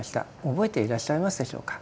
覚えていらっしゃいますでしょうか。